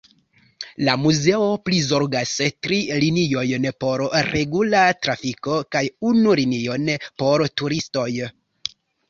La muzeo prizorgas tri liniojn por regula trafiko kaj unu linion por turistoj.